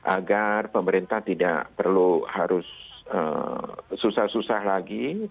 agar pemerintah tidak perlu harus susah susah lagi